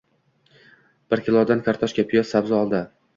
Bir kilodan kartoshka, piyoz, sabzi oldi.